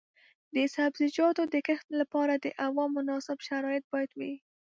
د سبزیجاتو د کښت لپاره د هوا مناسب شرایط باید وي.